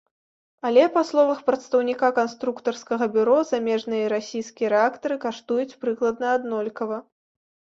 Але, па словах прадстаўніка канструктарскага бюро, замежныя і расійскія рэактары каштуюць прыкладна аднолькава.